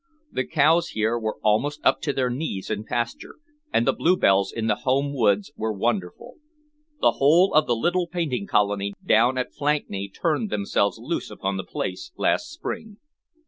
The cows here were almost up to their knees in pasture, and the bluebells in the home woods were wonderful. The whole of the little painting colony down at Flankney turned themselves loose upon the place last spring."